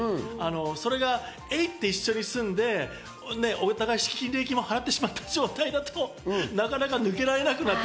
それが、えい！って一緒に住んで、お互い敷金礼金も払ってしまった状態だと、なかなか抜けられなくなって。